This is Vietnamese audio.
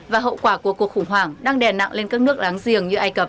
và hậu quả của cuộc khủng hoảng đang đè nặng lên các nước láng giềng như ai cập